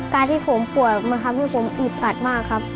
การที่ผมป่วยมันทำให้ผมอึดอัดมากครับ